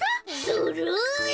ずるい！